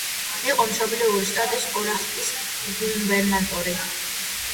იყო მშობლიური შტატის ოახაკის გუბერნატორი.